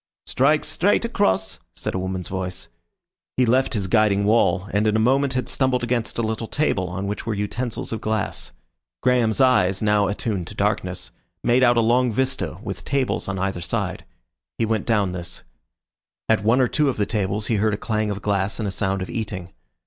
"Strike straight across," said a woman's voice. He left his guiding wall, and in a moment had stumbled against a little table on which were utensils of glass. Graham's eyes, now attuned to darkness, made out a long vista with tables on either side. He went down this. At one or two of the tables he heard a clang of glass and a sound of eating.